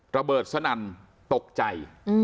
ระเบิดสนั่นตกใจ